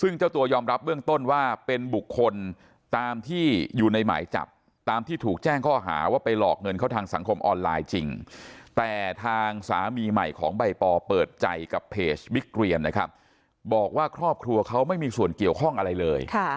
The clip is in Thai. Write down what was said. ซึ่งเจ้าตัวยอมรับเบื้องต้นว่าเป็นบุคคลตามที่อยู่ในหมายจับตามที่ถูกแจ้งข้อหาว่าไปหลอกเงินเขาทางสังคมออนไลน์จริงแต่ทางสามีใหม่ของใบปอเปิดใจกับเพจบิ๊กเรียนนะครับบอกว่าครอบครัวเขาไม่มีส่วนเกี่ยวข้องอะไรเลย